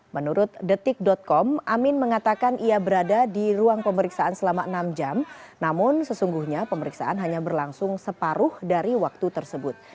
menurut detik com amin mengatakan ia berada di ruang pemeriksaan selama enam jam namun sesungguhnya pemeriksaan hanya berlangsung separuh dari waktu tersebut